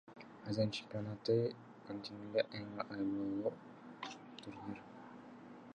Азия чемпионаты — континенттеги эң абройлуу турнир.